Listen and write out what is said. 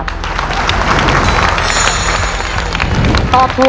คุณฝนจากชายบรรยาย